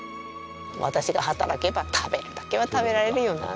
私が働けば食べるだけは食べられるよなって。